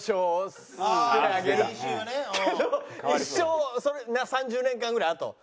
けど一生その３０年間ぐらいあと。